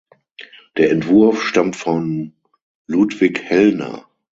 Der Entwurf stammt von Ludwig Hellner.